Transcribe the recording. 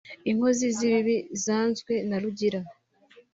inkozi z’ibibi zanzwe na Rugira